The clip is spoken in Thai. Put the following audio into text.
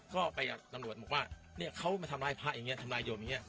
ก็ไปกับตำรวจบอกว่าเนี่ยเขามาทำร้ายพระอย่างนี้ทำร้ายโยมอย่างนี้